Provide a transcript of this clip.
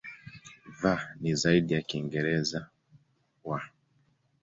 V ni zaidi ya Kiingereza "w".